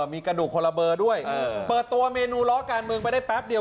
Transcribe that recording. มีกระดูกคนละเบอร์ด้วยเปิดตัวเมนูล้อการเมืองไปได้แป๊บเดียว